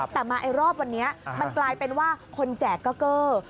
แต่มาไอ้รอบวันนี้มันกลายเป็นว่าคนแจกก็เกอร์